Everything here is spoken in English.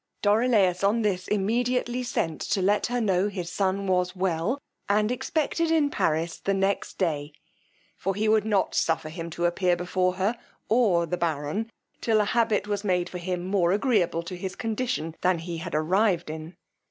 Dorilaus on this immediately sent to let her know his son was well, and expected in Paris the next day, for he would not suffer him to appear before her, or the baron, till a habit was made for him more agreeable to his condition than that he arrived in.